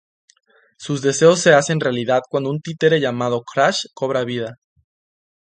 Sus deseos se hacen realidad cuando un títere llamado Crash cobra vida.